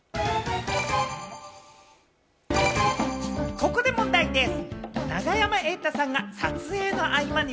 ここで問題でぃす！